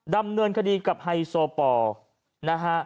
ดำเนินคดีกับไฮโสปอร์